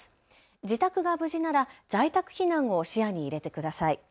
自宅が無事なら在宅避難を視野に入れてください。